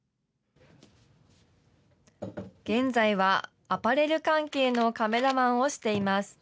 現在はアパレル関係のカメラマンをしています。